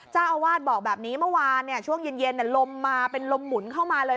เจ้าอาวาสบอกแบบนี้เมื่อวานช่วงเย็นลมมาเป็นลมหมุนเข้ามาเลย